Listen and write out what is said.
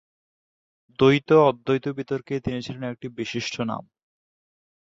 দ্বৈত-অদ্বৈত বিতর্কে তিনি ছিলেন একটি বিশিষ্ট নাম।